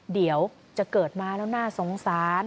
เดี๋ยวจะเกิดมาแล้วน่าสงสาร